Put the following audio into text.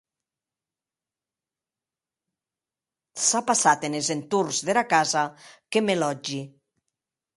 S’a passat enes entorns dera casa que me lòtgi.